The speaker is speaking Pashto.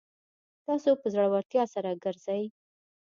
تاسو په زړورتیا سره ګرځئ